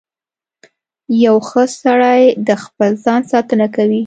• یو ښه سړی د خپل ځان ساتنه کوي.